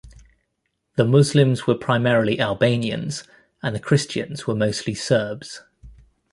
The Muslims were primarily Albanians and the Christians were mostly Serbs.